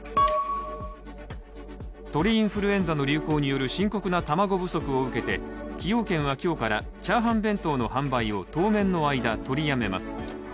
鳥インフルエンザの流行による深刻な卵不足を受けて崎陽軒は今日から炒飯弁当の販売を当面の間、取りやめます。